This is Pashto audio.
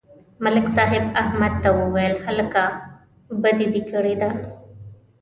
ملک صاحب احمد ته وویل: هلکه، بدي دې کړې ده.